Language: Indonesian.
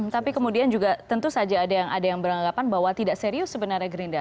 tapi kemudian juga tentu saja ada yang beranggapan bahwa tidak serius sebenarnya gerindra